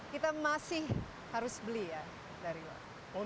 kita masih harus beli ya dari luar